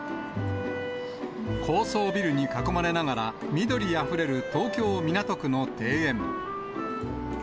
高層ビルに囲まれながら、緑あふれる東京・港区の庭園。